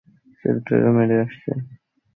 ছেলেটাকে মেরে এসেছি।